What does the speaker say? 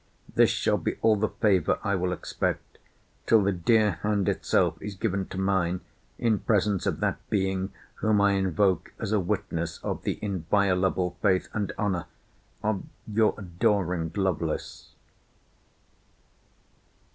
This shall be all the favour I will expect, till the dear hand itself is given to mine, in presence of that Being whom I invoke as a witness of the inviolable faith and honour of Your adoring LOVELACE.